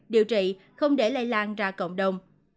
điều trị không để lây lan ra cộng đồng